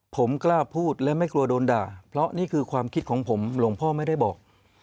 ผมกล้าพูดและไม่กลัวโดนด่าเพราะนี่คือความคิดของผมหลวงพ่อไม่ได้บอก